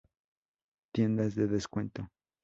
Tiendas de descuento.